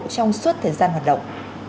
trong suốt thời gian hoạt động